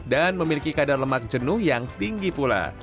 dan memiliki kadar lemak jenuh yang tinggi pula